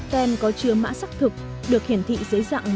tem có chứa mã xác thực được hiển thị dưới dạng